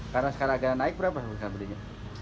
karena sekarang agak naik berapa sekarang belinya